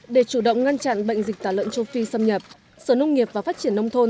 để chủ động ngăn chặn bệnh dịch tả lợn châu phi xâm nhập sở nông nghiệp và phát triển nông thôn